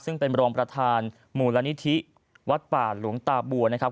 ซึ่งเป็นรองประธานมูลนิธิวัดป่าหลวงตาบัวนะครับ